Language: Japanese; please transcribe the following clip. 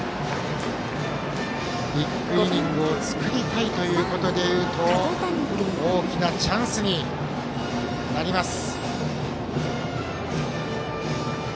ビッグイニングを作りたいということでいうと大きなチャンスになります。